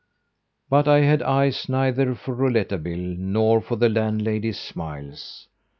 But I had eyes neither for Rouletabille nor for the landlady's smiles.